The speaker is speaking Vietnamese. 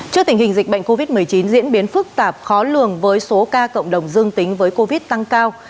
trước tình hình dịch bệnh covid một mươi chín diễn biến phức tạp khó lường với số ca cộng đồng dương tính với covid tăng cao